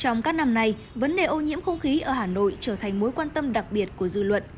trong các năm nay vấn đề ô nhiễm không khí ở hà nội trở thành mối quan tâm đặc biệt của dư luận